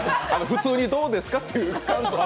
普通にどうですかっていう感想。